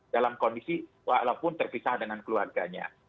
dalam kondisi walaupun terpisah dengan keluarganya